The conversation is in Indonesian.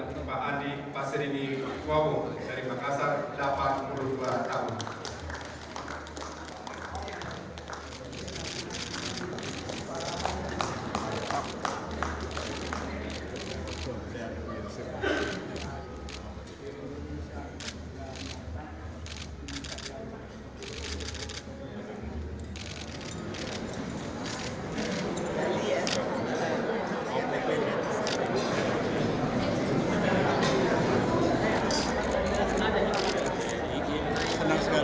pak andi pasirini wawo dari makassar delapan puluh dua tahun